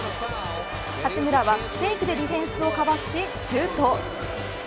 八村はフェイクでディフェンスをかわしシュート。